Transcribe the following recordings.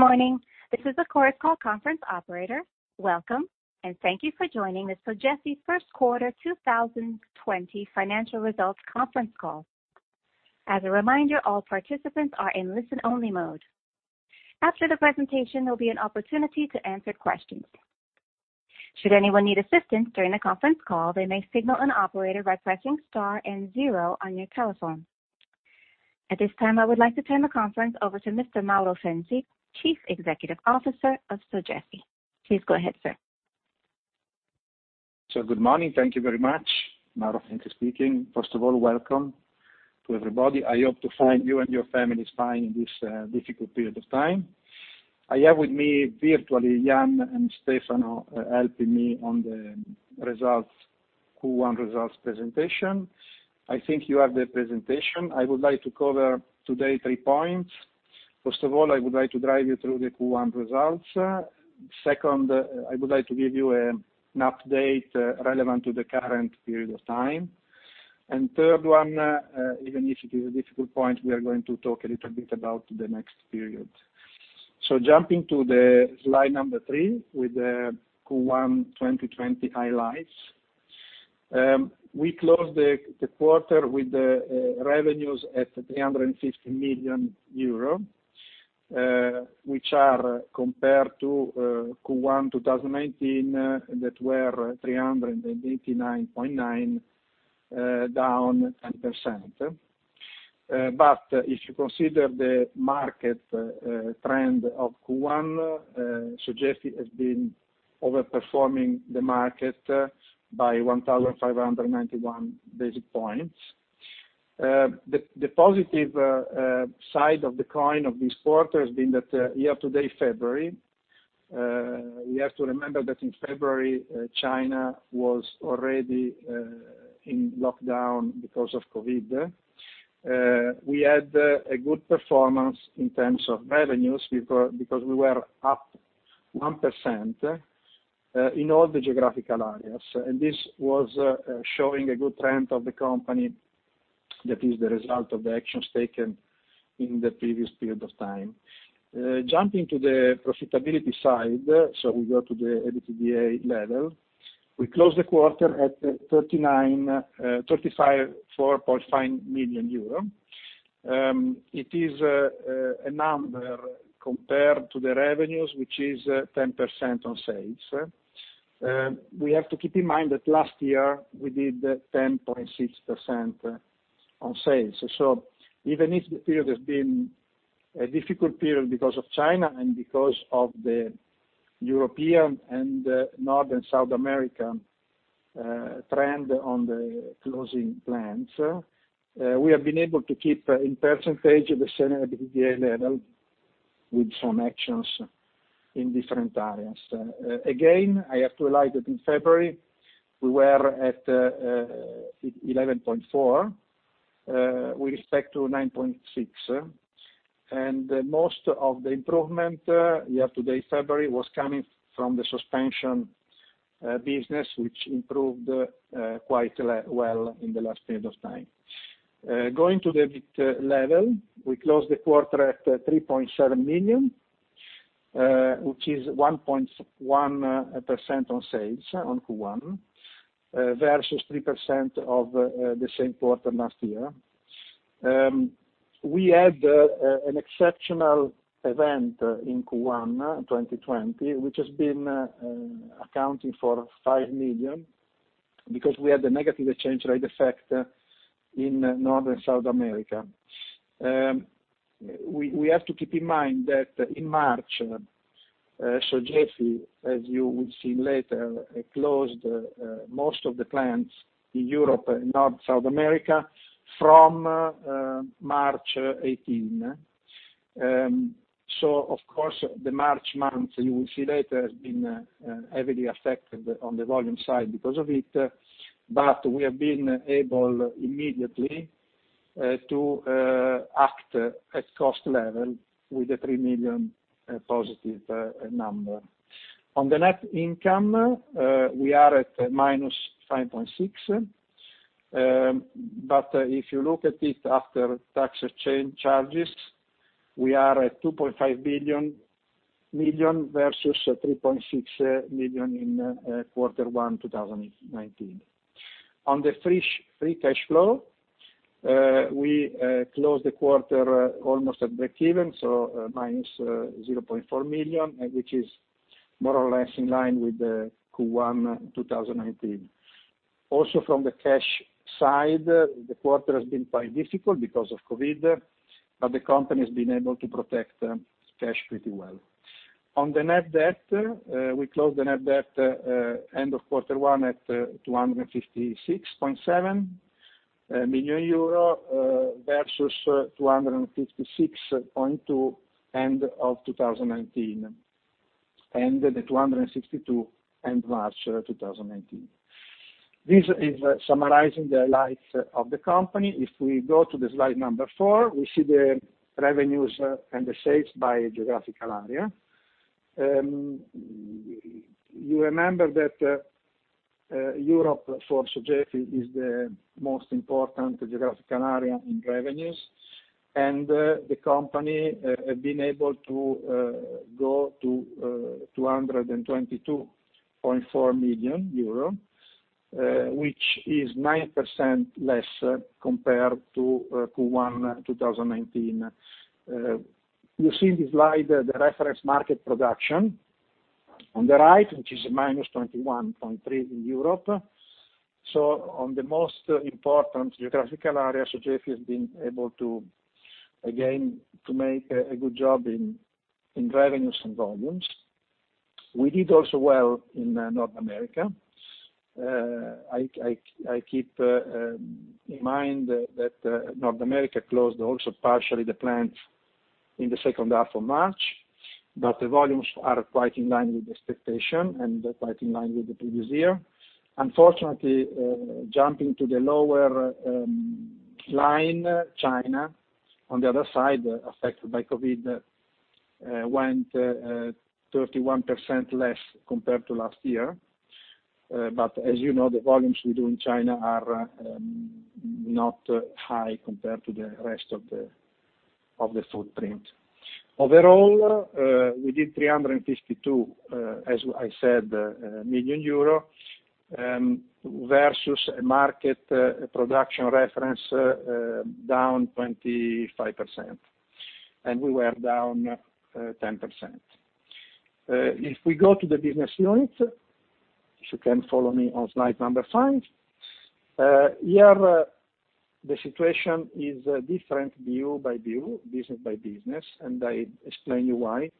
Good morning. This is the Chorus Call conference operator. Welcome, and thank you for joining the Sogefi Q1 2020 Financial Results Conference Call. As a reminder, all participants are in listen-only mode. After the presentation, there'll be an opportunity to answer questions. Should anyone need assistance during the conference call, they may signal an operator by pressing star and zero on your telephone. At this time, I would like to turn the conference over to Mr. Mauro Fenzi, Chief Executive Officer of Sogefi. Please go ahead, sir. Good morning. Thank you very much. Mauro Fenzi speaking. First of all, welcome to everybody. I hope to find you and your families fine in this difficult period of time. I have with me virtually Yann and Stefano, helping me on the Q1 results presentation. I think you have the presentation. I would like to cover today three points. First of all, I would like to drive you through the Q1 results. Second, I would like to give you an update relevant to the current period of time. Third one, even if it is a difficult point, we are going to talk a little bit about the next period. Jumping to the slide number three with the Q1 2020 highlights. We closed the quarter with the revenues at 350 million euro, which are compared to Q1 2019, that were 389.9 million, down 10%. If you consider the market trend of Q1, Sogefi has been over-performing the market by 1,591 basic points. The positive side of the coin of this quarter has been that year to date February. We have to remember that in February, China was already in lockdown because of COVID. We had a good performance in terms of revenues because we were up 1% in all the geographical areas. This was showing a good trend of the company that is the result of the actions taken in the previous period of time. Jumping to the profitability side, we go to the EBITDA level. We closed the quarter at 354.5 million euro. It is a number compared to the revenues, which is 10% on sales. We have to keep in mind that last year we did 10.6% on sales. Even if the period has been a difficult period because of China and because of the European and North and South American trend on the closing plants, we have been able to keep in percentage a similar EBITDA level with some actions in different areas. Again, I have to highlight that in February, we were at 11.4%, with respect to 9.6%. Most of the improvement year to date February, was coming from the Suspensions business, which improved quite well in the last period of time. Going to the EBIT level, we closed the quarter at 3.7 million, which is 1.1% on sales on Q1, versus 3% of the same quarter last year. We had an exceptional event in Q1 2020, which has been accounting for 5 million because we had the negative exchange rate effect in North and South America. We have to keep in mind that in March, Sogefi, as you will see later, closed most of the plants in Europe and North, South America from March 18. Of course, the March month, you will see later, has been heavily affected on the volume side because of it, but we have been able immediately to act at cost level with the 3 million positive number. On the net income, we are at -5.6 million. If you look at it after tax charges, we are at 2.5 million versus 3.6 million in Q1 2019. On the free cash flow, we closed the quarter almost at breakeven, so -0.4 million, which is more or less in line with the Q1 2019. Also, from the cash side, the quarter has been quite difficult because of COVID, but the company's been able to protect cash pretty well. On the net debt, we closed the net debt end of Q1 at 256.7 million euro, versus 256.2 million end of 2019, and 262 million end March 2019. This is summarizing the highlights of the company. If we go to the slide number four, we see the revenues and the sales by geographical area. You remember that Europe, for Sogefi, is the most important geographical area in revenues, and the company has been able to go to 222.4 million euro, which is 9% less compared to Q1 2019. You see in the slide, the reference market production on the right, which is -21.3% in Europe. On the most important geographical area, Sogefi has been able to, again, make a good job in revenues and volumes. We did also well in North America. I keep in mind that North America closed also partially the plant in the H2 of March, but the volumes are quite in line with expectation, and quite in line with the previous year. Unfortunately, jumping to the lower line, China, on the other side, affected by COVID, went 31% less compared to last year. As you know, the volumes we do in China are not high compared to the rest of the footprint. Overall, we did 352 million, as I said, versus a market production reference down 25%, and we were down 10%. If we go to the business unit, if you can follow me on slide number five. Here, the situation is different view by view, business by business, and I explain you why.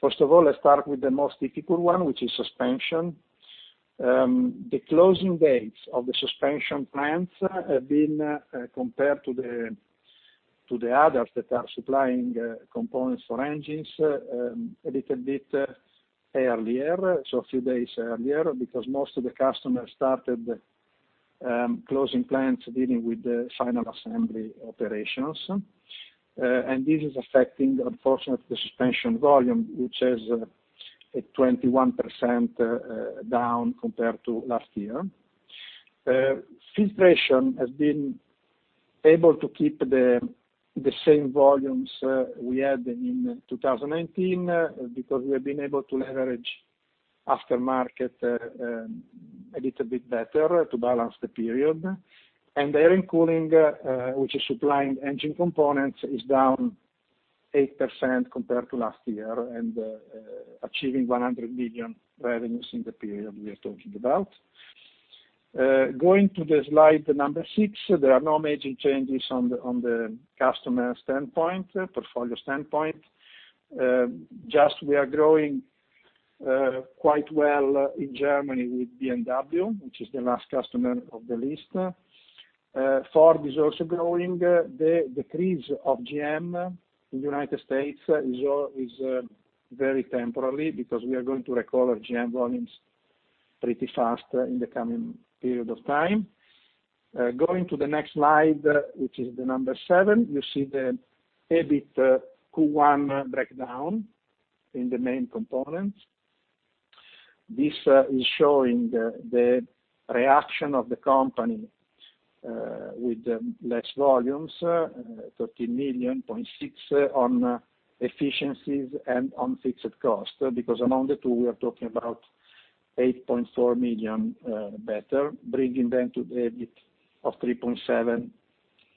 First of all, let's start with the most difficult one, which is Suspensions. The closing dates of the Suspensions plants have been compared to the others that are supplying components for engines a little bit earlier, so a few days earlier, because most of the customers started closing plants dealing with the final assembly operations. This is affecting, unfortunately, the Suspensions volume, which has a 21% down compared to last year. Filtration has been able to keep the same volumes we had in 2019, because we have been able to leverage aftermarket a little bit better to balance the period. Air & Cooling, which is supplying engine components, is down 8% compared to last year, and achieving 100 million revenues in the period we are talking about. Going to the slide number six, there are no major changes on the customer standpoint, portfolio standpoint. Just we are growing quite well in Germany with BMW, which is the last customer of the list. Ford is also growing. The decrease of GM in the U.S. is very temporary, because we are going to recover GM volumes pretty fast in the coming period of time. Going to the next slide, which is the number seven, you see the EBIT Q1 breakdown in the main components. This is showing the reaction of the company with less volumes, 13.6 million on efficiencies and on fixed cost, because among the two, we are talking about 8.4 million better, bringing them to the EBIT of 3.7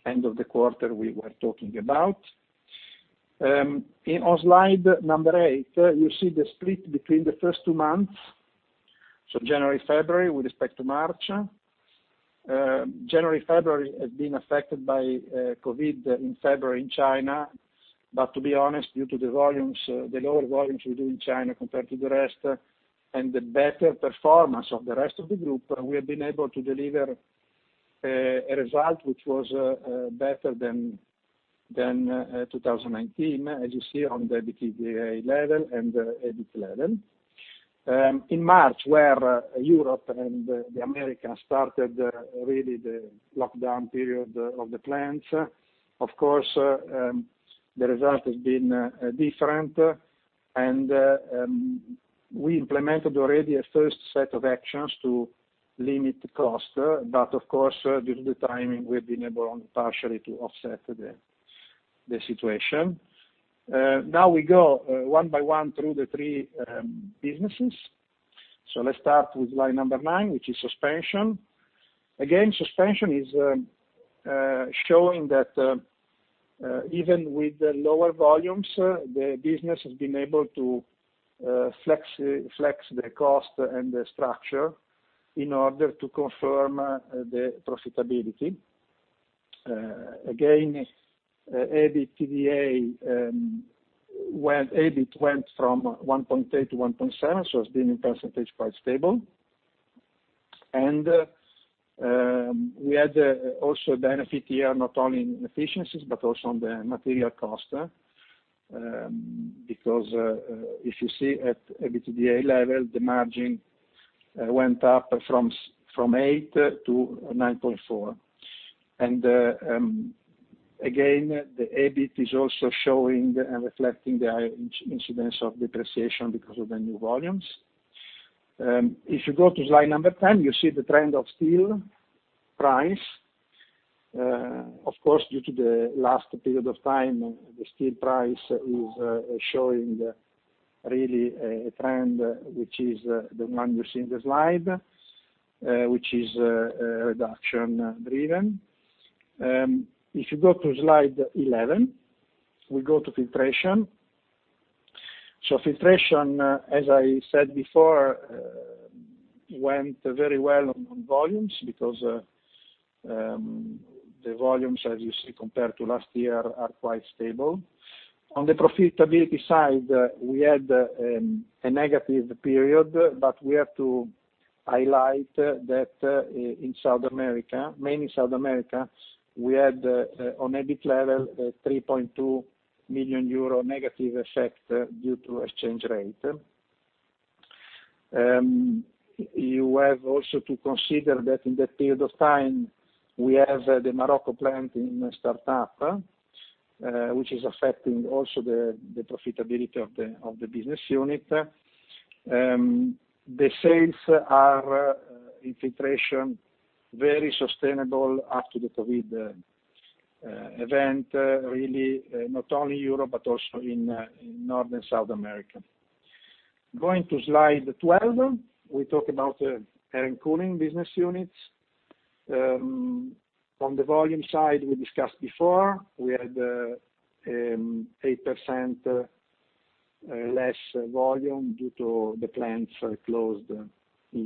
end of the quarter we were talking about. On slide number eight, you see the split between the first two months, so January, February, with respect to March. January, February has been affected by COVID in February in China. To be honest, due to the lower volumes we do in China compared to the rest, and the better performance of the rest of the group, we have been able to deliver a result which was better than 2019, as you see on the EBITDA level and the EBIT level. In March, where Europe and the Americas started really the lockdown period of the plants, of course, the result has been different and we implemented already a first set of actions to limit the cost. Of course, due to the timing, we've been able only partially to offset the situation. We go one by one through the three businesses. Let's start with slide number nine, which is Suspensions. Suspensions is showing that even with the lower volumes, the business has been able to flex the cost and the structure in order to confirm the profitability. EBIT went from 1.8% to 1.7%. It's been in percentage quite stable. We had also benefit here, not only in efficiencies, but also on the material cost. If you see at EBITDA level, the margin went up from 8% to 9.4%. The EBIT is also showing and reflecting the high incidence of depreciation because of the new volumes. If you go to slide number 10, you see the trend of steel price. Of course, due to the last period of time, the steel price is showing really a trend, which is the one you see in the slide, which is reduction driven. If you go to slide 11, we go to Filtration. Filtration, as I said before, went very well on volumes. The volumes, as you see compared to last year, are quite stable. On the profitability side, we had a negative period, but we have to highlight that in South America, mainly South America, we had, on EBIT level, a 3.2 million euro negative effect due to exchange rate. You have also to consider that in that period of time, we have the Morocco plant in startup, which is affecting also the profitability of the business unit. The sales are, in Filtration, very sustainable after the COVID event, really, not only Europe, but also in North and South America. Going to slide 12, we talk about Air & Cooling business units. On the volume side, we discussed before, we had 8% less volume due to the plants closed in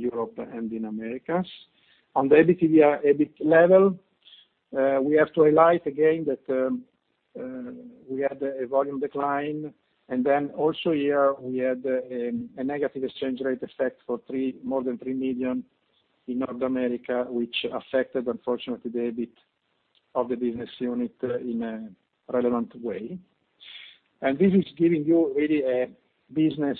Europe and in Americas. On the EBITDA, EBIT level, we have to highlight again that we had a volume decline, also here we had a negative exchange rate effect for more than 3 million in North America, which affected, unfortunately, the EBIT of the business unit in a relevant way. This is giving you really a business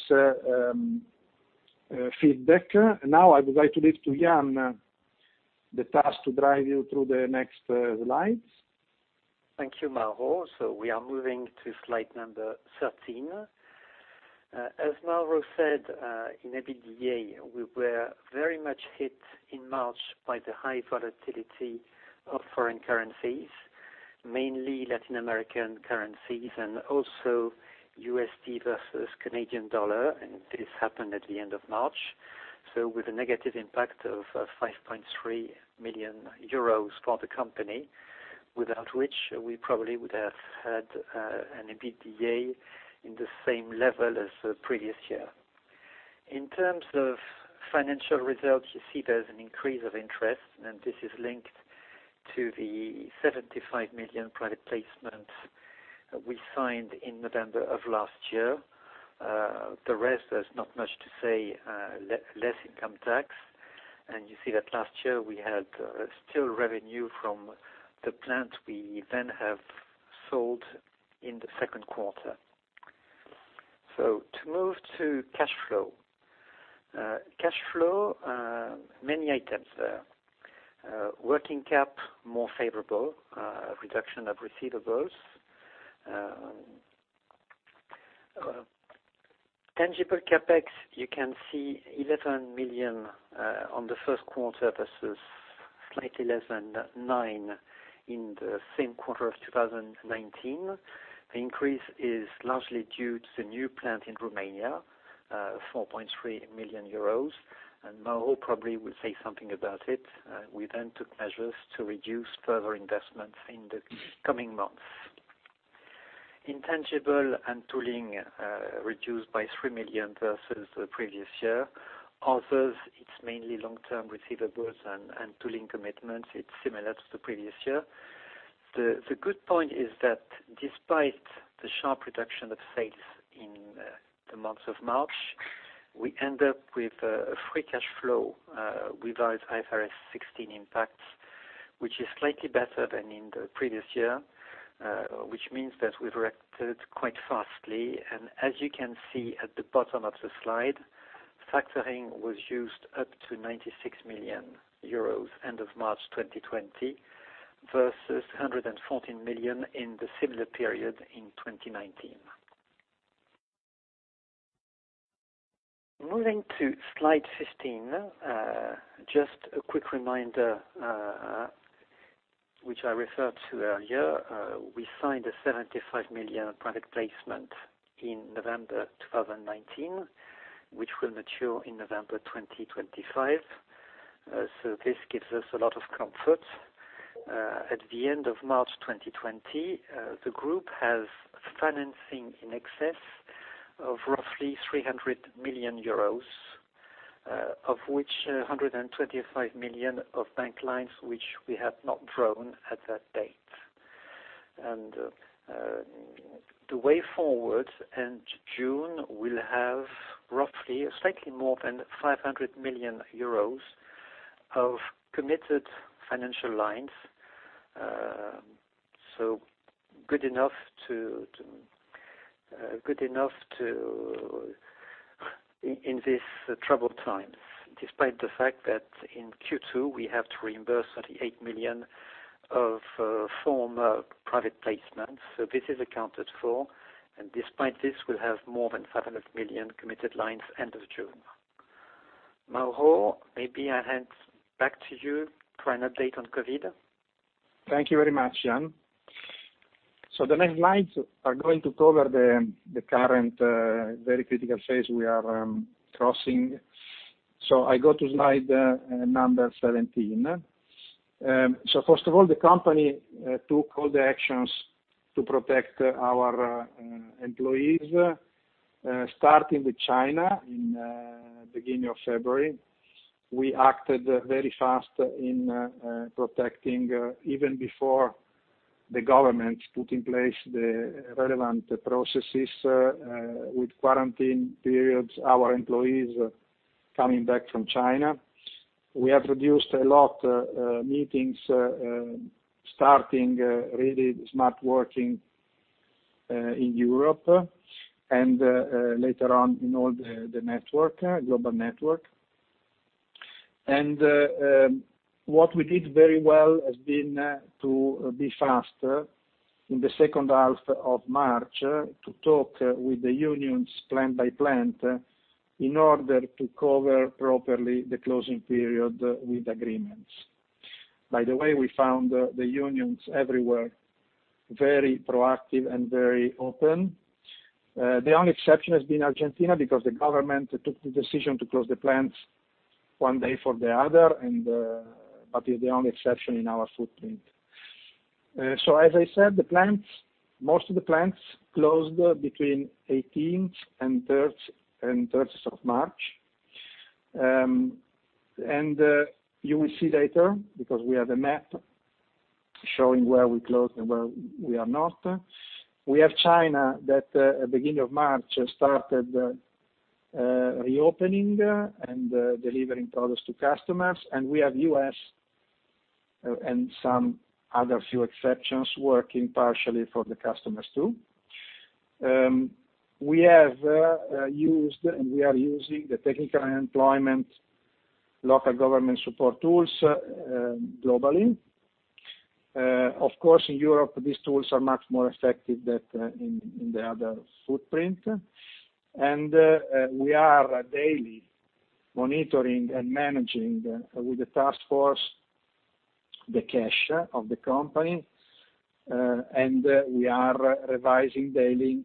feedback. Now I would like to leave to Yann the task to drive you through the next slides. Thank you, Mauro. We are moving to slide number 13. As Mauro said, in EBITDA, we were very much hit in March by the high volatility of foreign currencies, mainly Latin American currencies and also U.S. dollar versus Canadian dollar, and this happened at the end of March. With a negative impact of 5.3 million euros for the company, without which we probably would have had an EBITDA in the same level as the previous year. In terms of financial results, you see there's an increase of interest, and this is linked to the 75 million private placement we signed in November of last year. The rest, there's not much to say, less income tax. You see that last year we had still revenue from the plant we then have sold in the Q2. To move to cash flow. Cash flow, many items there. Working Cap, more favorable. Reduction of receivables. Tangible CapEx, you can see 11 million on Q1 versus slightly less than 9 million in the same quarter of 2019. The increase is largely due to the new plant in Romania, 4.3 million euros. Mauro probably will say something about it. We took measures to reduce further investments in the coming months. Intangible and tooling, reduced by 3 million versus the previous year. Others, it's mainly long-term receivables and tooling commitments. It's similar to the previous year. The good point is that despite the sharp reduction of sales in the month of March, we end up with a free cash flow without IFRS 16 impact, which is slightly better than in the previous year, which means that we've reacted quite fastly. As you can see at the bottom of the slide, factoring was used up to 96 million euros end of March 2020 versus 114 million in the similar period in 2019. Moving to slide 15, just a quick reminder which I referred to earlier. We signed a 75 million private placement in November 2019, which will mature in November 2025. This gives us a lot of comfort. At the end of March 2020, the group has financing in excess of roughly 300 million euros, of which 125 million of bank lines, which we have not drawn at that date. The way forward, end June, we will have roughly slightly more than 500 million euros of committed financial lines. Good enough in this troubled time, despite the fact that in Q2, we have to reimburse 38 million of former private placement. This is accounted for, and despite this, we'll have more than 500 million committed lines end of June. Mauro, maybe I hand back to you for an update on COVID. Thank you very much, Yann. The next slides are going to cover the current very critical phase we are crossing. I go to slide number 17. First of all, the company took all the actions to protect our employees, starting with China in beginning of February. We acted very fast in protecting, even before the government put in place the relevant processes, with quarantine periods, our employees coming back from China. We have reduced a lot meetings, starting really smart working, in Europe and, later on in all the network, global network. What we did very well has been to be fast in the H2 of March to talk with the unions plant by plant in order to cover properly the closing period with agreements. By the way, we found the unions everywhere very proactive and very open. The only exception has been Argentina because the government took the decision to close the plants one day for the other, is the only exception in our footprint. As I said, most of the plants closed between 18th and 30th March. You will see later, because we have a map showing where we closed and where we are not. We have China that at beginning of March, started reopening and delivering products to customers. We have U.S. and some other few exceptions working partially for the customers, too. We have used, and we are using the technical unemployment local government support tools globally. Of course, in Europe, these tools are much more effective than in the other footprint. We are daily monitoring and managing with the task force the cash of the company. We are revising daily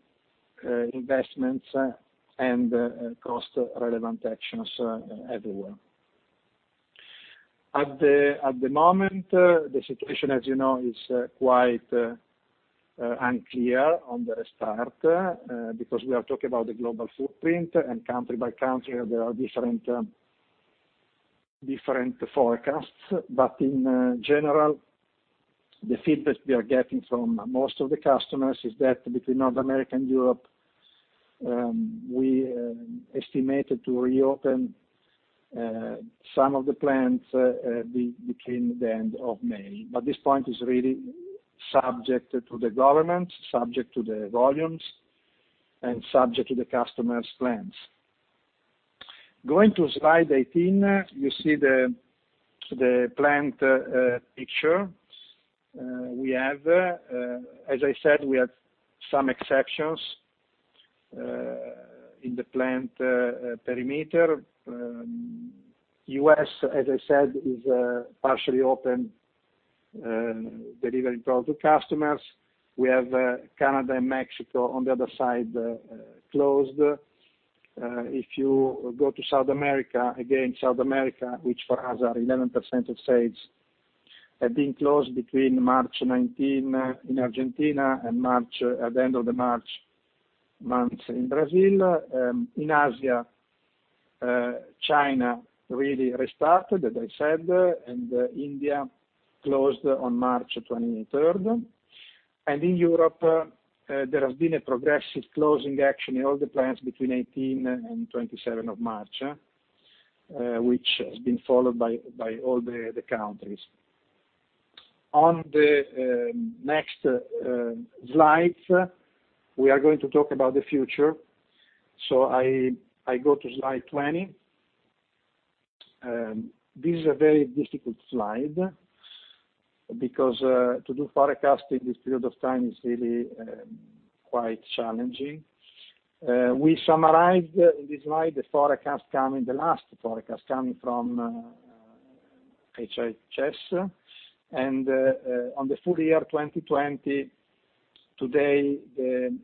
investments and cost relevant actions everywhere. At the moment, the situation, as you know, is quite unclear on the restart, because we are talking about the global footprint and country by country, there are different forecasts. In general, the feedback we are getting from most of the customers is that between North America and Europe, we estimated to reopen some of the plants between the end of May. This point is really subject to the government, subject to the volumes, and subject to the customer's plans. Going to slide 18, you see the plant picture. As I said, we have some exceptions, in the plant perimeter. U.S., as I said, is partially open, delivering product to customers. We have Canada and Mexico on the other side closed. If you go to South America, again, South America, which for us are 11% of sales, have been closed between March 19 in Argentina and at the end of the March months in Brazil. In Asia, China really restarted, as I said, and India closed on March 23rd. In Europe, there has been a progressive closing action in all the plants between 18th and 27th March, which has been followed by all the countries. On the next slides, we are going to talk about the future. I go to slide 20. This is a very difficult slide because to do forecasting this period of time is really quite challenging. We summarized in this slide the last forecast coming from IHS. On the full year 2020, today, the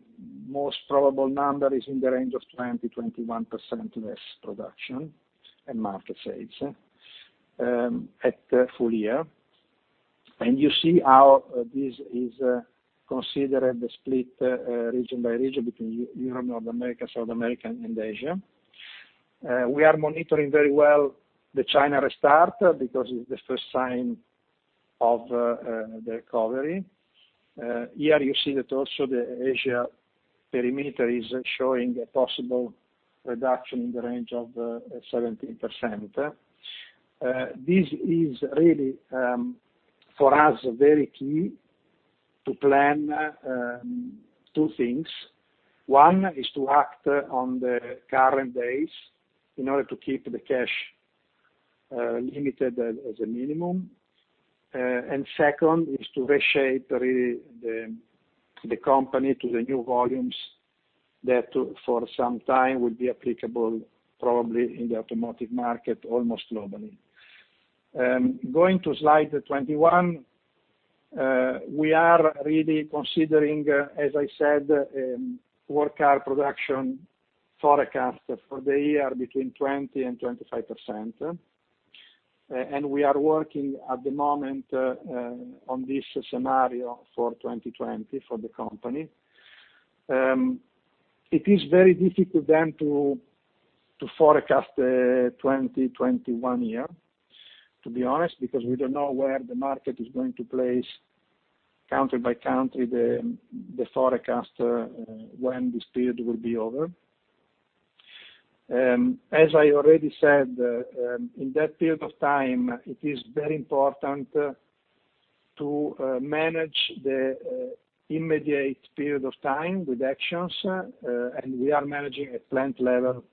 most probable number is in the range of 20%-21% less production and market sales at full year. You see how this is considered the split region by region between Europe, North America, South America and Asia. We are monitoring very well the China restart because it's the first sign of the recovery. You see that also the Asia perimeter is showing a possible reduction in the range of 17%. This is really, for us, very key to plan two things. One is to act on the current days in order to keep the cash limited as a minimum. Second is to reshape, really, the company to the new volumes that for some time will be applicable, probably in the automotive market, almost globally. Going to slide 21. We are really considering, as I said, work hour production forecast for the year between 20% and 25%. We are working, at the moment, on this scenario for 2020 for the company. It is very difficult then to forecast 2021 year, to be honest, because we don't know where the market is going to place country by country, the forecast, when this period will be over. As I already said, in that period of time, it is very important to manage the immediate period of time with actions, and we are managing at plant level,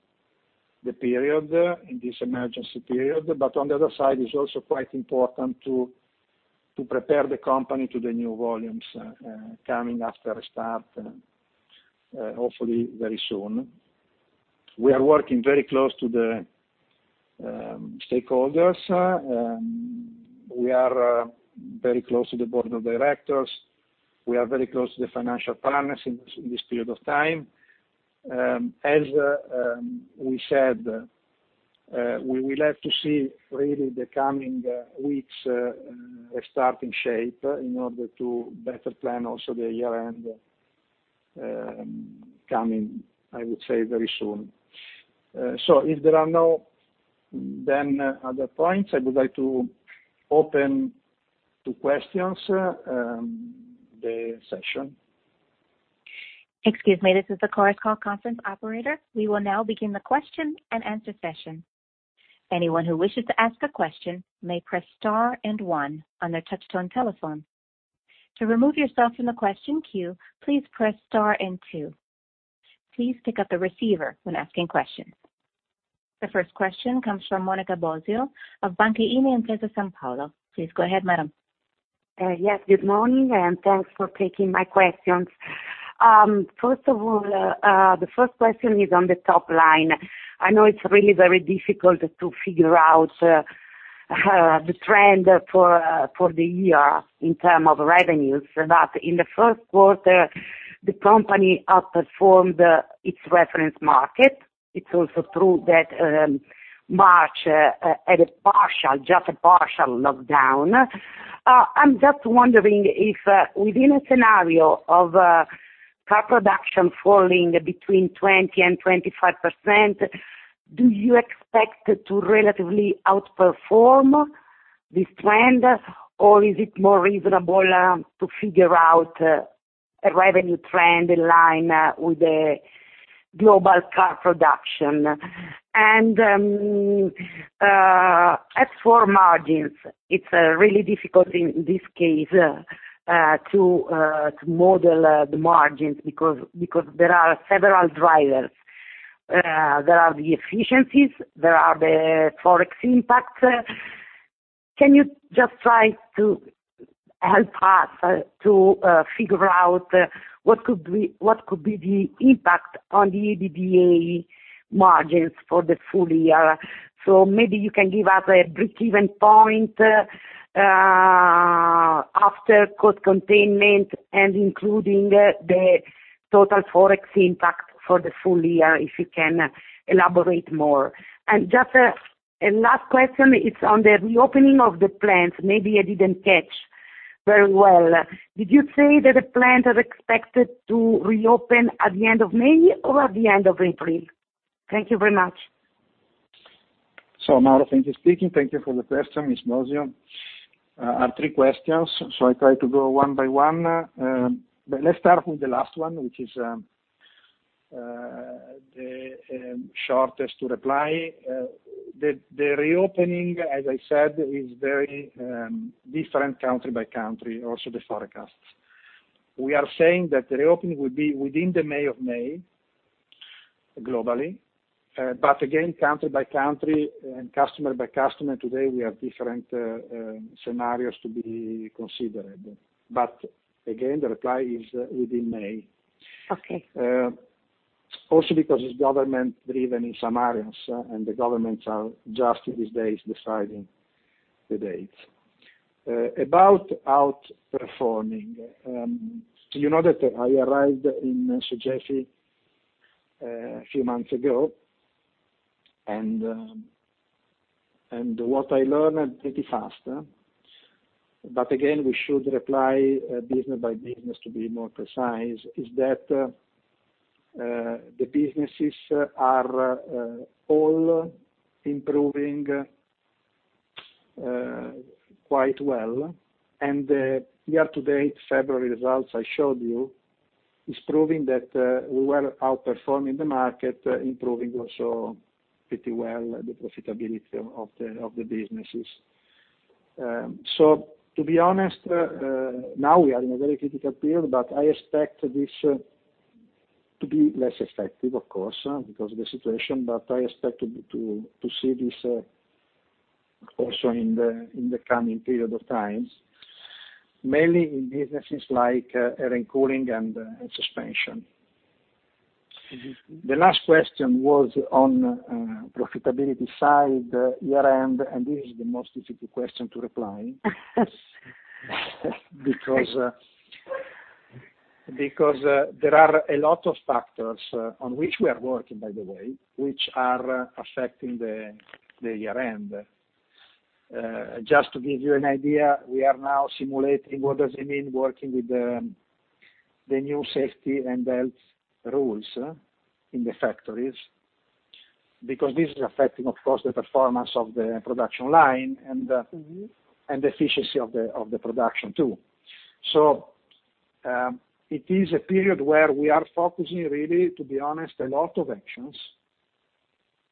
the period, in this emergency period. On the other side, it's also quite important to prepare the company to the new volumes coming after restart, hopefully very soon. We are working very close to the stakeholders. We are very close to the board of directors. We are very close to the financial partners in this period of time. As we said, we will have to see really the coming weeks restarting shape in order to better plan also the year end coming, I would say, very soon. If there are no then other points, I would like to open to questions, the session. Excuse me, this is the Chorus Call conference operator. We will now begin the question and answer session. Anyone who wishes to ask a question may press star and one on their touch-tone telephone. To remove yourself from the question queue, please press star and two. Please pick up the receiver when asking questions. The first question comes from Monica Bosio of Banca Intesa Sanpaolo. Please go ahead, madam. Yes, good morning, and thanks for taking my questions. First of all, the first question is on the top line. I know it's really very difficult to figure out the trend for the year in term of revenues, but in Q1, the company outperformed its reference market. It's also true that March had a partial, just a partial lockdown. I'm just wondering if within a scenario of car production falling between 20% and 25%, do you expect to relatively outperform this trend? Is it more reasonable to figure out a revenue trend in line with the global car production? As for margins, it's really difficult in this case to model the margins because there are several drivers. There are the efficiencies, there are the Forex impacts. Can you just try to help us to figure out what could be the impact on the EBITDA margins for the full year? Maybe you can give us a break-even point after cost containment and including the total Forex impact for the full year, if you can elaborate more. Just a last question, it's on the reopening of the plants. Maybe I didn't catch very well. Did you say that the plants are expected to reopen at the end of May or at the end of April? Thank you very much. Thank you. Thank you for the question, Ms. Bosio. There are three questions, I try to go one by one. Let's start with the last one, which is the shortest to reply. The reopening, as I said, is very different country by country, also the forecasts. We are saying that the reopening will be within the month of May, globally. Again, country by country and customer by customer, today we have different scenarios to be considered. Again, the reply is within May. Okay. Also because it's government driven in some areas, and the governments are just these days deciding the dates. About outperforming. You know that I arrived in Sogefi a few months ago, and what I learn pretty fast, but again, we should reply business by business to be more precise, is that the businesses are all improving quite well. Year to date, February results I showed you. It's proving that we were outperforming the market, improving also pretty well the profitability of the businesses. To be honest, now we are in a very critical period, but I expect this to be less effective, of course, because of the situation, but I expect to see this also in the coming period of time, mainly in businesses like Air & Cooling and Suspensions. The last question was on profitability side, year-end, and this is the most difficult question to reply. There are a lot of factors, on which we are working by the way, which are affecting the year end. Just to give you an idea, we are now simulating what does it mean working with the new safety and health rules in the factories. This is affecting, of course, the performance of the production line and the efficiency of the production too. It is a period where we are focusing really, to be honest, a lot of actions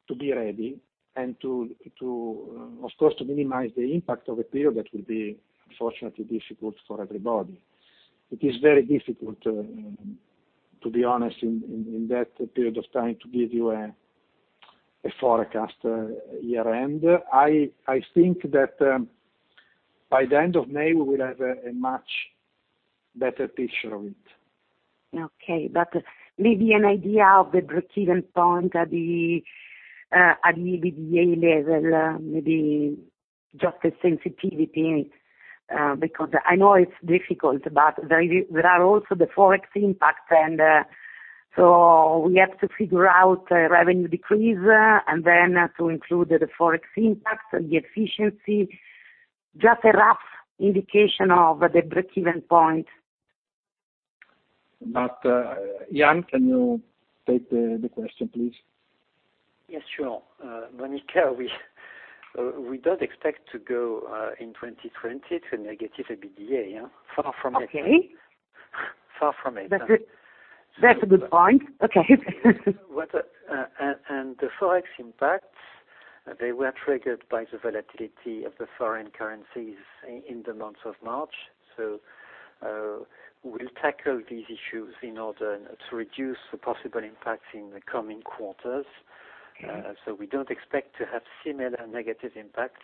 to be ready, and of course, to minimize the impact of a period that will be unfortunately difficult for everybody. It is very difficult, to be honest, in that period of time to give you a forecast year end. I think that by the end of May, we will have a much better picture of it. Okay. Maybe an idea of the breakeven point at the EBITDA level, maybe just a sensitivity, because I know it's difficult, but there are also the Forex impacts. We have to figure out revenue decrease and then to include the Forex impacts and the efficiency. Just a rough indication of the breakeven point. Yann, can you take the question, please? Yes, sure. Monica, we don't expect to go, in 2020, to negative EBITDA. Far from it. Okay. Far from it. That's a good point. Okay. The Forex impacts, they were triggered by the volatility of the foreign currencies in the month of March. We'll tackle these issues in order to reduce the possible impacts in the coming quarters. Okay. We don't expect to have similar negative impacts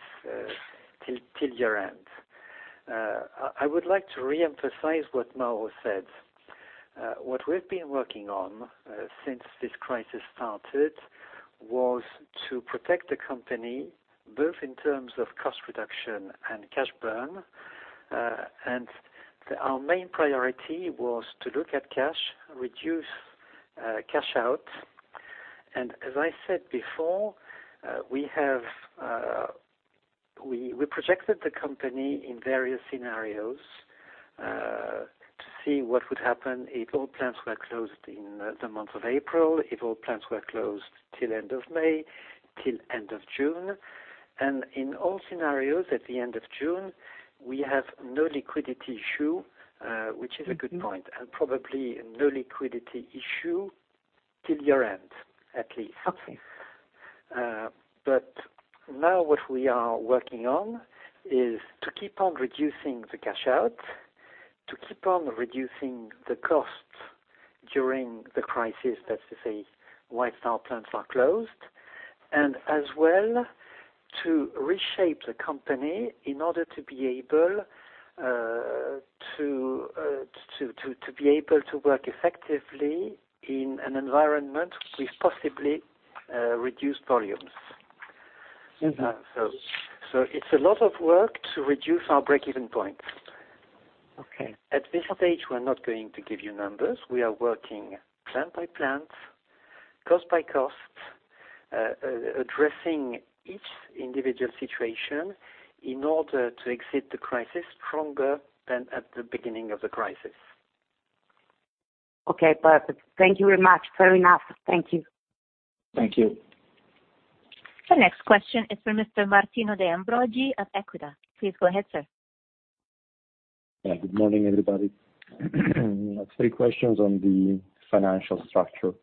till year end. I would like to reemphasize what Mauro said. What we've been working on, since this crisis started, was to protect the company both in terms of cost reduction and cash burn. Our main priority was to look at cash, reduce cash out, and as I said before, we projected the company in various scenarios, to see what would happen if all plants were closed in the month of April, if all plants were closed till end of May, till end of June. In all scenarios at the end of June, we have no liquidity issue, which is a good point, and probably no liquidity issue till year end, at least. Okay. Now what we are working on is to keep on reducing the cash out, to keep on reducing the costs during the crisis, that is to say, whilst our plants are closed, and as well, to reshape the company in order to be able to work effectively in an environment with possibly reduced volumes. It's a lot of work to reduce our breakeven points. Okay. At this stage, we're not going to give you numbers. We are working plant by plant, cost by cost, addressing each individual situation in order to exit the crisis stronger than at the beginning of the crisis. Okay, perfect. Thank you very much. Fair enough. Thank you. Thank you. The next question is for Mr. Martino De Ambroggi of Equita. Please go ahead, sir. Good morning, everybody. Three questions on the financial structure.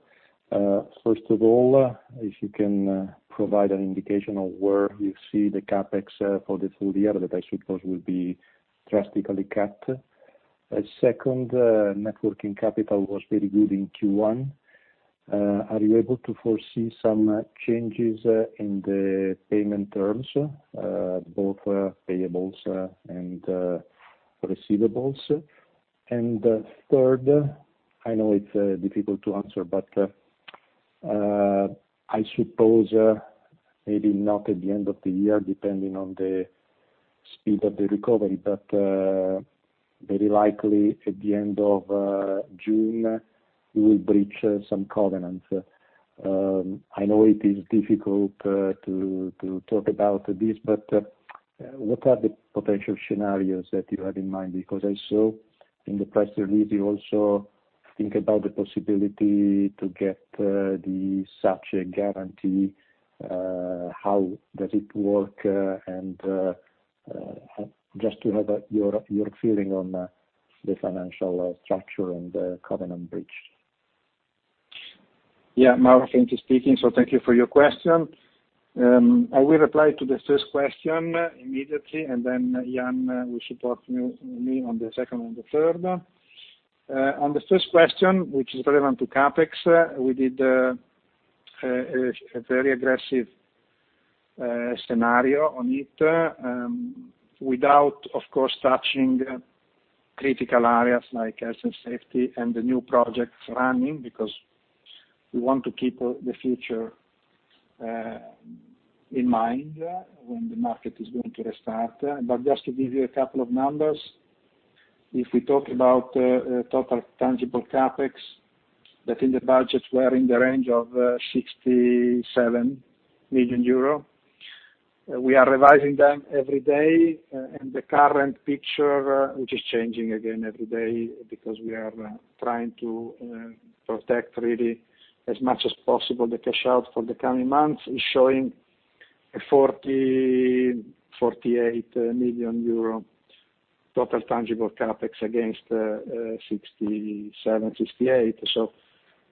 First of all, if you can provide an indication of where you see the CapEx for the full year, that I suppose will be drastically cut. Second, networking capital was very good in Q1. Are you able to foresee some changes in the payment terms, both payables and receivables? Third, I know it's difficult to answer, but, I suppose maybe not at the end of the year, depending on the speed of the recovery, but very likely at the end of June, you will breach some covenants. I know it is difficult to talk about this, but what are the potential scenarios that you have in mind? Because I saw in the press release you also think about the possibility to get such a guarantee. How does it work. Just to have your feeling on the financial structure and covenant breach. Yeah, Mauro Fenzi speaking. Thank you for your question. I will reply to the first question immediately, and then Yann will support me on the second and the third. On the first question, which is relevant to CapEx, we did a very aggressive scenario on it. Without, of course, touching critical areas like asset safety and the new projects running, because we want to keep the future in mind when the market is going to restart. Just to give you a couple of numbers, if we talk about total tangible CapEx, that in the budget were in the range of 67 million euro. We are revising them every day, and the current picture, which is changing again every day because we are trying to protect really as much as possible the cash out for the coming months, is showing a 48 million euro total tangible CapEx against 67 million, 68 million.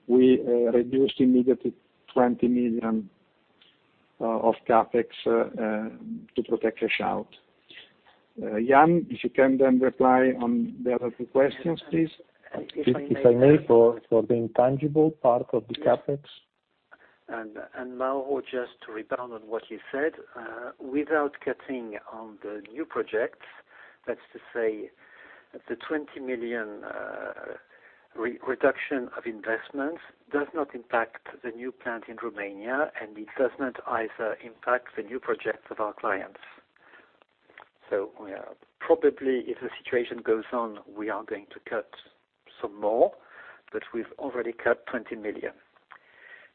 We reduced immediately 20 million of CapEx to protect cash out. Yann, if you can then reply on the other two questions, please. If I may, for the intangible part of the CapEx. Mauro, just to rebound on what you said. Without cutting on the new projects, that's to say the 20 million reduction of investments does not impact the new plant in Romania, and it does not either impact the new projects of our clients. Probably if the situation goes on, we are going to cut some more, but we've already cut 20 million.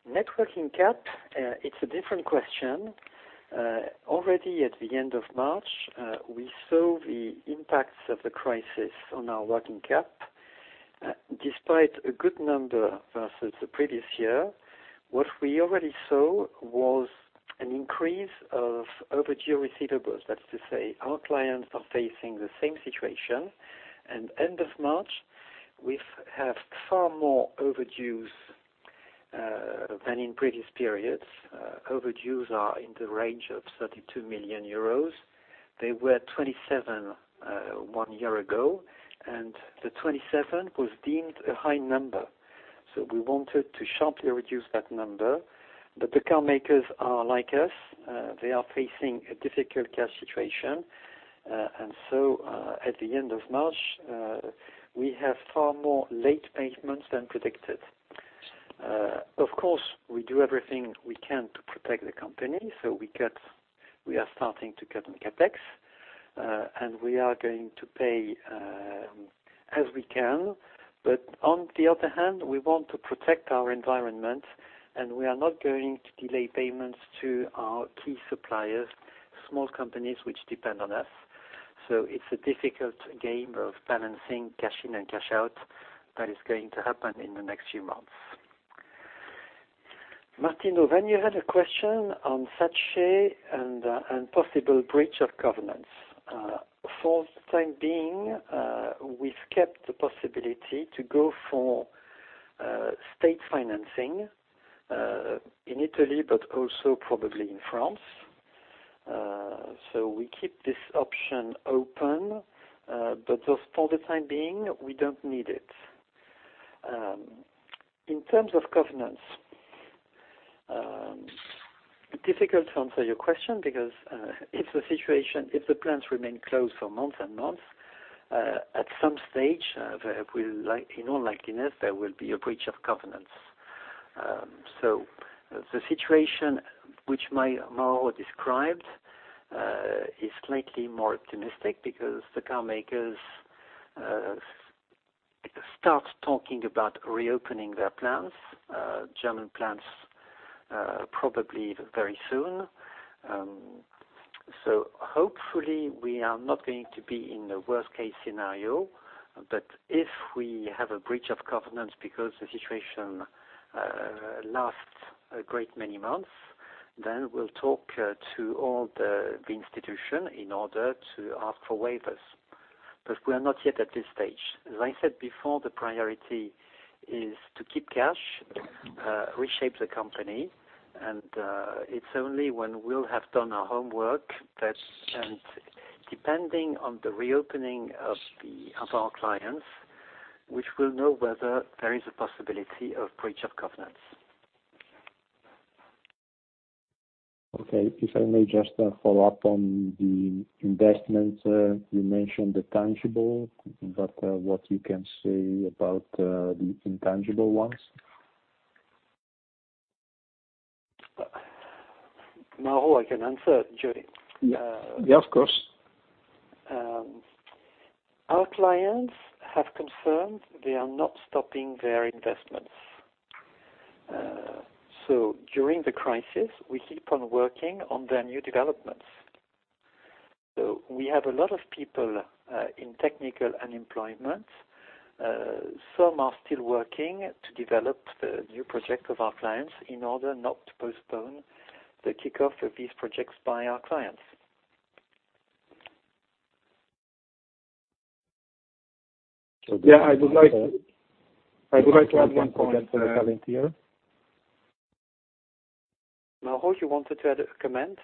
Net working cap, it's a different question. Already at the end of March, we saw the impacts of the crisis on our working cap. Despite a good number versus the previous year, what we already saw was an increase of overdue receivables. That's to say, our clients are facing the same situation, and end of March, we have far more overdues than in previous periods. Overdues are in the range of 32 million euros. They were 27 million one year ago, and the 27 million was deemed a high number. We wanted to sharply reduce that number. The car makers are like us. They are facing a difficult cash situation. At the end of March, we have far more late payments than predicted. Of course, we do everything we can to protect the company. We are starting to cut on CapEx. We are going to pay as we can. On the other hand, we want to protect our environment, and we are not going to delay payments to our key suppliers, small companies which depend on us. It's a difficult game of balancing cash in and cash out that is going to happen in the next few months. Martino, you had a question on SACE and possible breach of covenants. For the time being, we've kept the possibility to go for state financing in Italy but also probably in France. We keep this option open, but just for the time being, we don't need it. In terms of covenants, difficult to answer your question because if the plants remain closed for months and months, at some stage, in all likeliness, there will be a breach of covenants. The situation which Mauro described is slightly more optimistic because the car makers start talking about reopening their plants, German plants probably very soon. Hopefully we are not going to be in the worst case scenario. If we have a breach of covenants because the situation lasts a great many months, then we'll talk to all the institution in order to ask for waivers. We are not yet at this stage. As I said before, the priority is to keep cash, reshape the company, and it's only when we'll have done our homework, and depending on the reopening of our clients, which we'll know whether there is a possibility of breach of covenants. Okay. If I may just follow up on the investments. You mentioned the tangible, but what you can say about the intangible ones? Mauro, I can answer during- Yeah, of course. Our clients have confirmed they are not stopping their investments. During the crisis, we keep on working on their new developments. We have a lot of people in technical unemployment. Some are still working to develop the new project of our clients in order not to postpone the kickoff of these projects by our clients. Yeah, I would like to add one point. Mauro, you wanted to add a comment?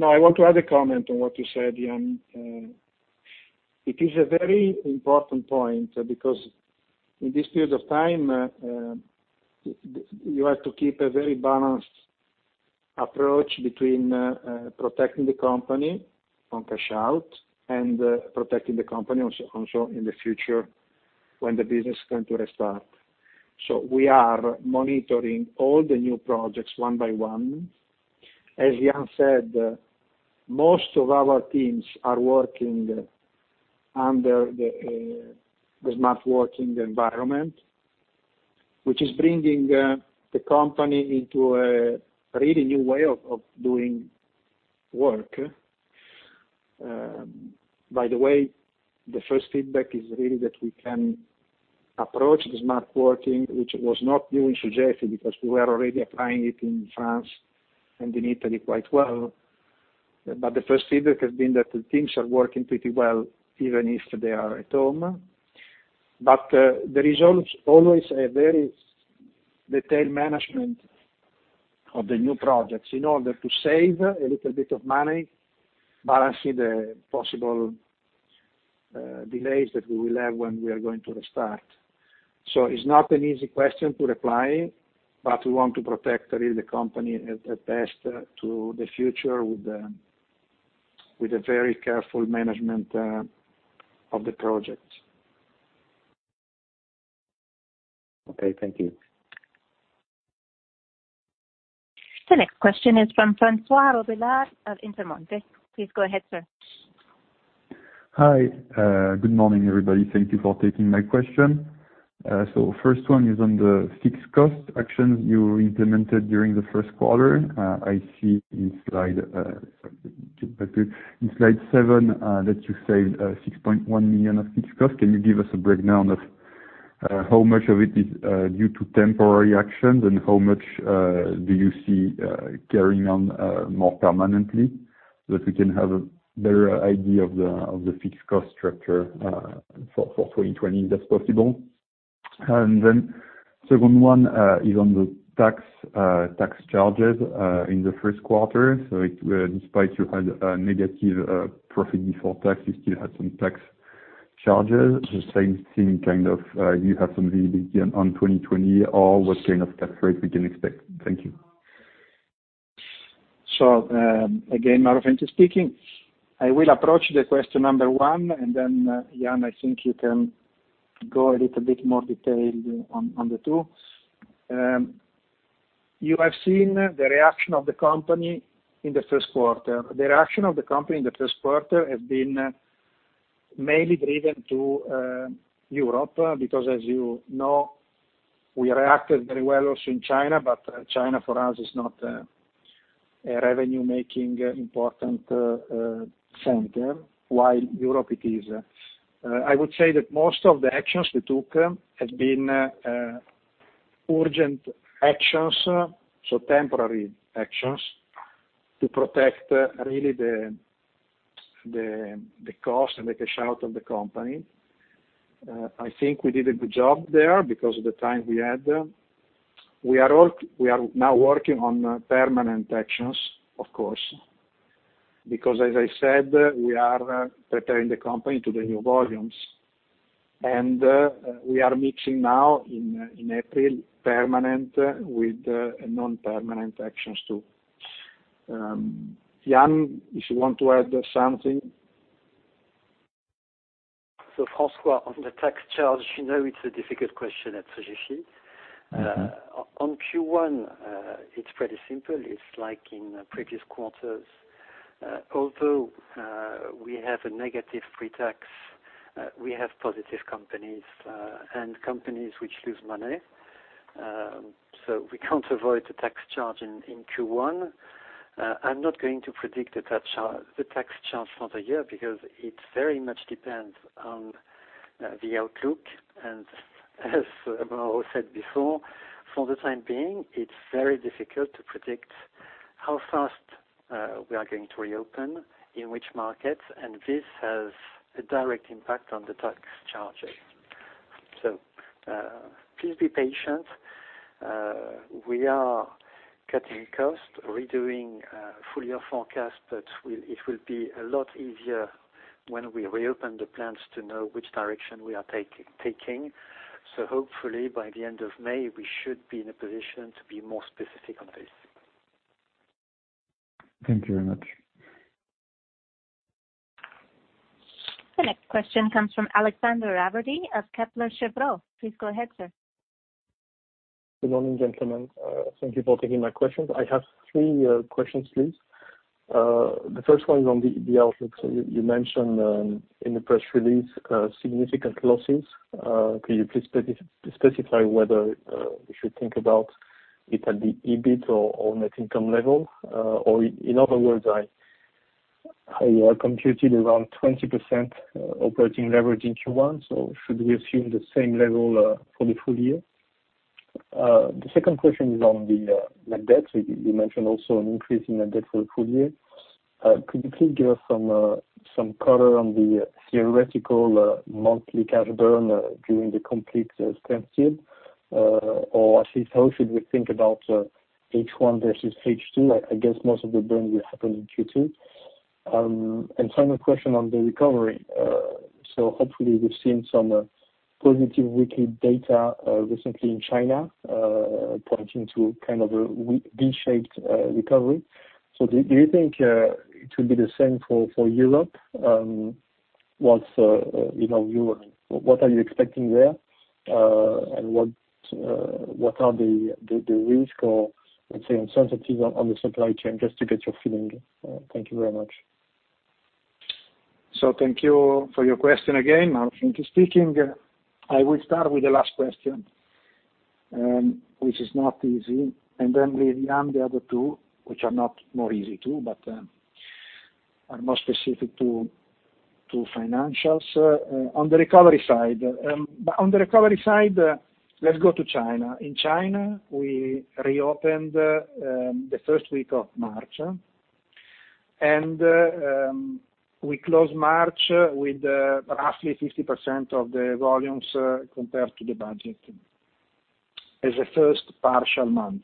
I want to add a comment on what you said, Yann. It is a very important point, because in this period of time, you have to keep a very balanced approach between protecting the company from cash out and protecting the company also in the future when the business is going to restart. We are monitoring all the new projects one by one. As Yann said, most of our teams are working under the smart working environment, which is bringing the company into a really new way of doing work. The first feedback is really that we can approach the smart working, which was not new in Sogefi because we were already applying it in France and in Italy quite well. The first feedback has been that the teams are working pretty well even if they are at home. There is always a very detailed management of the new projects in order to save a little bit of money, balancing the possible delays that we will have when we are going to restart. It's not an easy question to reply, but we want to protect really the company at best to the future with a very careful management of the projects. Okay, thank you. The next question is from François Robillard of Intermonte. Please go ahead, sir. Hi. Good morning, everybody. Thank you for taking my question. First one is on the fixed cost actions you implemented during the Q1. I see in slide seven that you saved 6.1 million of fixed cost. Can you give us a breakdown of how much of it is due to temporary actions, and how much do you see carrying on more permanently so that we can have a better idea of the fixed cost structure for 2020, if that's possible? Second one is on the tax charges in Q1. Despite you had a negative profit before tax, you still had some tax charges. The same thing, kind of, do you have some visibility on 2020 or what kind of tax rate we can expect? Thank you. Again, Mauro Fenzi speaking. I will approach the question number one, Yann, I think you can go a little bit more detailed on the two. You have seen the reaction of the company in the Q1. The reaction of the company in Q1 has been mainly driven to Europe, as you know, we reacted very well also in China for us is not a revenue making important center, while Europe it is. I would say that most of the actions we took have been urgent actions, temporary actions, to protect really the cost and the cash out of the company. I think we did a good job there because of the time we had. We are now working on permanent actions, of course, as I said, we are preparing the company to the new volumes. We are mixing now in April permanent with non-permanent actions, too. Yann, if you want to add something. François, on the tax charge, you know it's a difficult question at Sogefi. On Q1, it's pretty simple. It's like in previous quarters. Although we have a negative pre-tax, we have positive companies and companies which lose money. We can't avoid the tax charge in Q1. I'm not going to predict the tax charge for the year because it very much depends on the outlook. As Mauro said before, for the time being, it's very difficult to predict how fast we are going to reopen, in which markets, and this has a direct impact on the tax charges. Please be patient. We are cutting costs, redoing full year forecast, it will be a lot easier when we reopen the plants to know which direction we are taking. Hopefully by the end of May, we should be in a position to be more specific on this. Thank you very much. The next question comes from Alexandre Raverdy of Kepler Cheuvreux. Please go ahead, sir. Good morning, gentlemen. Thank you for taking my questions. I have three questions, please. The first one is on the outlook. You mentioned in the press release, significant losses. Can you please specify whether we should think about it at the EBIT or net income level? In other words, I computed around 20% operating leverage in Q1, should we assume the same level for the full year? The second question is on the net debt. You mentioned also an increase in the net debt for the full year. Could you please give us some color on the theoretical monthly cash burn during the complete shutdown? Actually, how should we think about H1 versus H2? I guess most of the burn will happen in Q2. Final question on the recovery. Hopefully we've seen some positive weekly data recently in China, pointing to kind of a V-shaped recovery. Do you think it will be the same for Europe? What are you expecting there? What are the risk or, let's say, incentives on the supply chain, just to get your feeling? Thank you very much. Thank you for your question again. Mauro, thank you for speaking. I will start with the last question, which is not easy, and then with Yann, the other two, which are not more easy too, but are more specific to financials. On the recovery side, let's go to China. In China, we reopened the first week of March, and we closed March with roughly 50% of the volumes compared to the budget as a first partial month.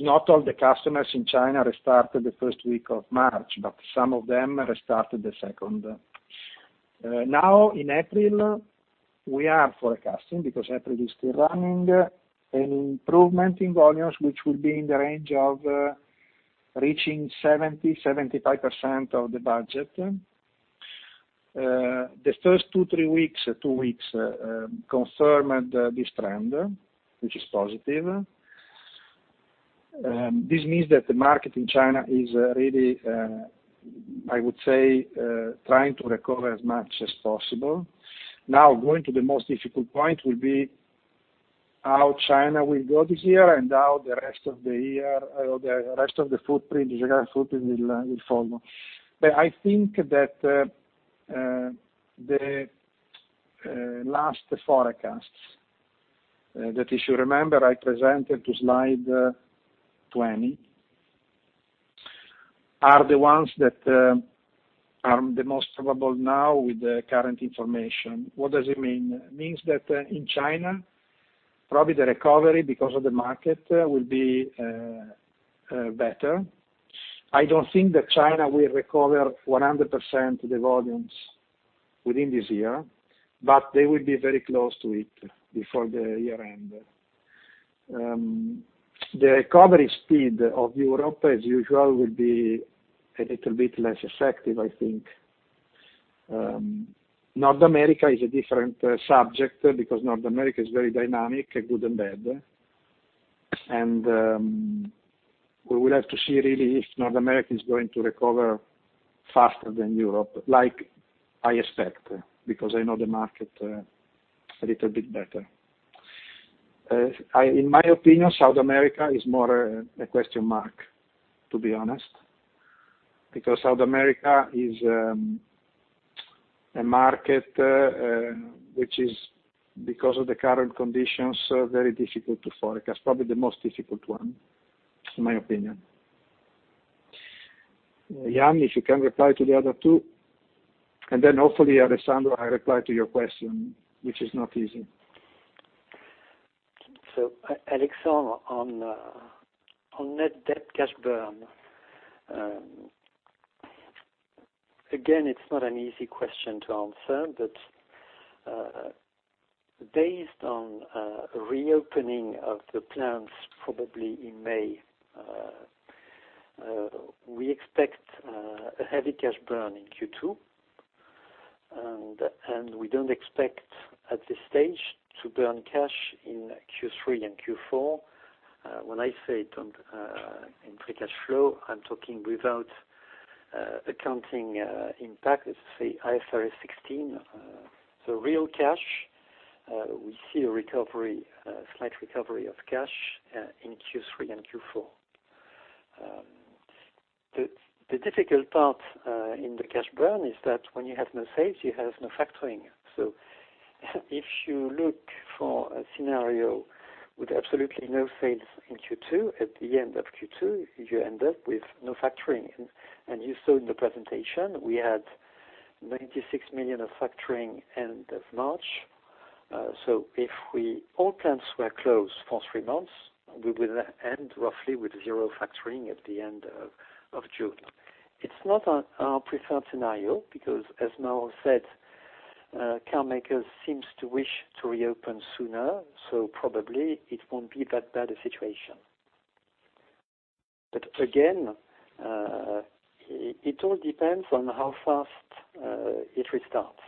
Not all the customers in China restarted the first week of March, but some of them restarted the second. In April, we are forecasting, because April is still running, an improvement in volumes, which will be in the range of reaching 70%-75% of the budget. The first two weeks confirmed this trend, which is positive. This means that the market in China is really, I would say, trying to recover as much as possible. Now, going to the most difficult point will be how China will go this year and how the rest of the year or the rest of the geographical footprint will follow. I think that the last forecasts, that if you remember, I presented to slide 20, are the ones that are the most probable now with the current information. What does it mean? It means that in China, probably the recovery because of the market will be better. I don't think that China will recover 100% the volumes within this year, but they will be very close to it before the year end. The recovery speed of Europe, as usual, will be a little bit less effective, I think. North America is a different subject because North America is very dynamic, good and bad. We will have to see really if North America is going to recover faster than Europe, like I expect, because I know the market a little bit better. In my opinion, South America is more a question mark, to be honest, because South America is a market, which is, because of the current conditions, very difficult to forecast. Probably the most difficult one, in my opinion. Yann, if you can reply to the other two, then hopefully, Alexandre, I reply to your question, which is not easy. Alexandre, on net debt cash burn. Again, it's not an easy question to answer, but based on reopening of the plants probably in May, we expect a heavy cash burn in Q2, and we don't expect at this stage to burn cash in Q3 and Q4. When I say in free cash flow, I'm talking without accounting impact of, say, IFRS 16. Real cash, we see a slight recovery of cash in Q3 and Q4. The difficult part in the cash burn is that when you have no sales, you have no factoring. If you look for a scenario with absolutely no sales in Q2, at the end of Q2, you end up with no factoring. You saw in the presentation, we had 96 million of factoring end of March. If all plants were closed for three months, we will end roughly with zero factoring at the end of June. It's not our preferred scenario because, as Mauro said, car makers seems to wish to reopen sooner, so probably it won't be that bad a situation. Again, it all depends on how fast it restarts.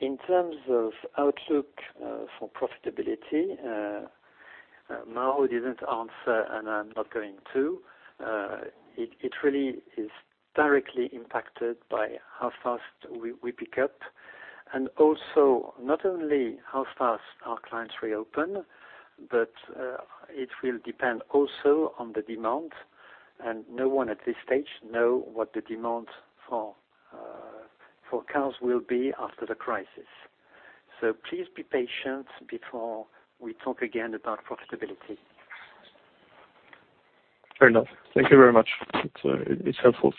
In terms of outlook for profitability, Mauro didn't answer, and I'm not going to. It really is directly impacted by how fast we pick up, and also not only how fast our clients reopen, but it will depend also on the demand, and no one at this stage know what the demand for cars will be after the crisis. Please be patient before we talk again about profitability. Fair enough. Thank you very much. It's helpful.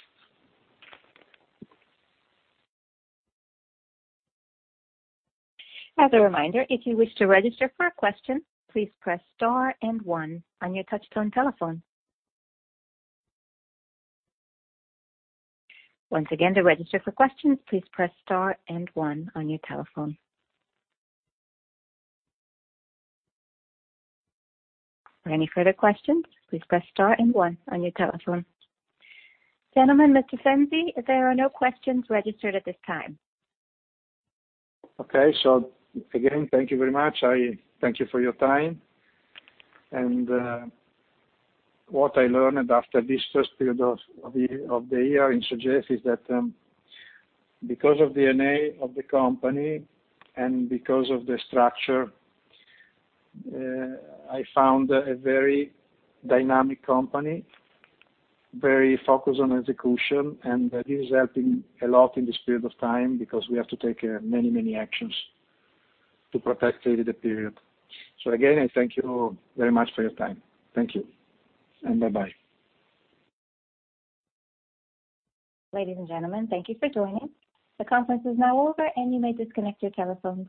As a reminder, if you wish to register for a question, please press star and one on your touch-tone telephone. Once again, to register for questions, please press star and one on your telephone. For any further questions, please press star and one on your telephone. Gentlemen, Mr. Fenzi, there are no questions registered at this time. Okay, again, thank you very much. I thank you for your time. What I learned after this first period of the year in Sogefi is that because of DNA of the company and because of the structure, I found a very dynamic company, very focused on execution, and that is helping a lot in this period of time because we have to take many actions to protect through the period. Again, I thank you very much for your time. Thank you. Bye-bye. Ladies and gentlemen, thank you for joining. The conference is now over, and you may disconnect your telephones.